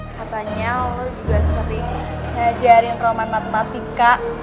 katanya lo juga sering ngajarin roman matematika